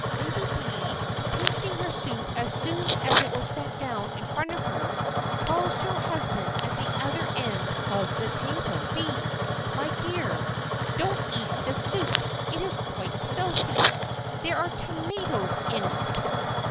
Lady B——, tasting her soup as soon as it was set down in front of her, calls to her husband at the other end of the table: "B——, my dear! Don't eat this soup! It is quite filthy! There are tomatoes in it!"